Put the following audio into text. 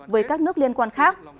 với các nước liên quan khác